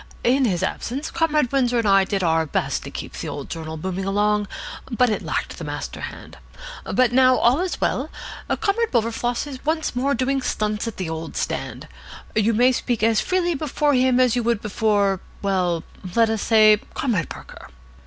In his absence Comrade Windsor and I did our best to keep the old journal booming along, but it lacked the master hand. But now all is well: Comrade Wilberfloss is once more doing stunts at the old stand. You may speak as freely before him as you would before well, let us say Comrade Parker."